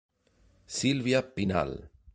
Silvia Pinal.